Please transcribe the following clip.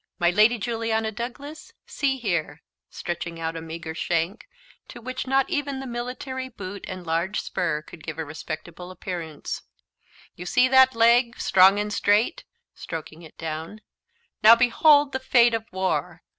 "My lady Juliana Douglas, see here," stretching out a meagre shank, to which not even the military boot and large spur could give a respectable appearance: "You see that leg strong and straight," stroking it down ; "now, behold the fate of war!"